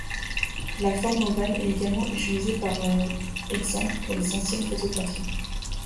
La forme ovale est également utilisée, par exemple pour les anciennes photographies.